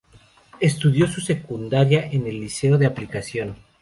Estudió su secundaria en el Liceo de Aplicación.